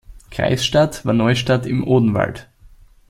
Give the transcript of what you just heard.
Kreisstadt war Neustadt im Odenwald.